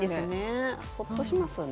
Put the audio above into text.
ホッとしますね。